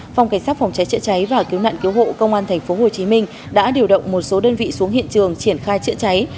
phòng cảnh sát phòng cháy chữa cháy và cứu nạn cứu hộ công an tp hcm đã điều động một số đơn vị xuống hiện trường triển khai chữa cháy